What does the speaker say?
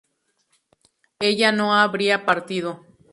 ella no habría partido